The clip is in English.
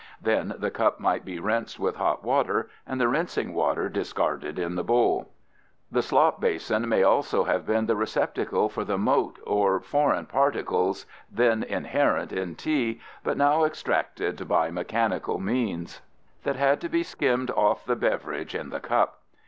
Then the cup might be rinsed with hot water and the rinsing water discarded in the bowl. The slop basin may also have been the receptacle for the mote or foreign particles then inherent in tea but now extracted by mechanical means that had to be skimmed off the beverage in the cup.